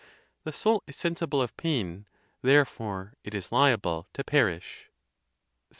The soul is sensible of pain, therefore it is liable to perish. XXXIII.